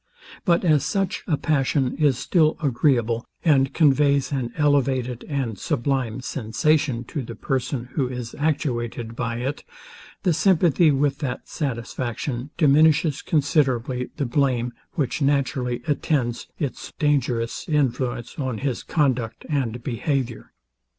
But as such a passion is still agreeable, and conveys an elevated and sublime sensation to the person, who is actuated by it, the sympathy with that satisfaction diminishes considerably the blame, which naturally attends its dangerous influence on his conduct and behaviour.